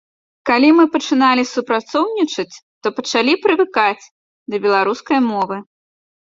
Калі мы пачыналі супрацоўнічаць, то пачалі прывыкаць да беларускай мовы.